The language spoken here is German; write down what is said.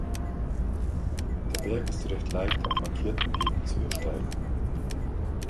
Der Berg ist recht leicht auf markierten Wegen zu ersteigen.